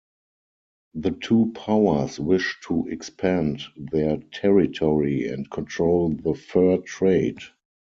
The two powers wish to expand their territory and control the fur trade.